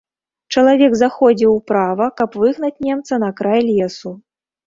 Чалавек заходзіў управа, каб выгнаць немца на край лесу.